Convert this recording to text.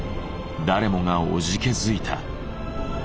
誰もがおじけづいた。